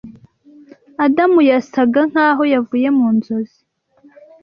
adamu yasaga nkaho yavuye mu nzozi